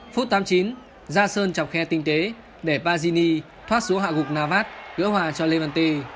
phút tám mươi chín jason chọc khe tinh tế để pazzini thoát xuống hạ gục navas gỡ hòa cho levante